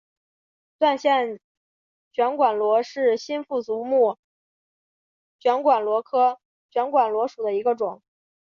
断线卷管螺是新腹足目卷管螺科卷管螺属的一个种。